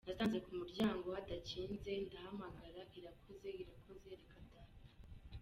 Nasanze ku muryango hadakinze ndahamagara ‘irakoze, irakoze reka data’.